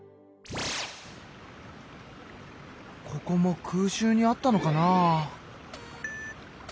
ここも空襲にあったのかなあ。